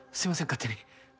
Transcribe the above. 勝手に。